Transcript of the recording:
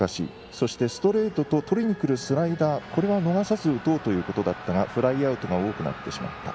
そしてストレートと胸に来るスライダーは逃さず打とうということだったがフライアウトが多くなってしまった。